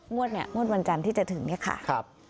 งวดเนี่ยงวดวันจันทร์ที่จะถึงเนี่ยค่ะ